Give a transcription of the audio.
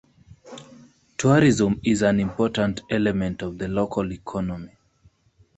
Tourism is an important element of the local economy.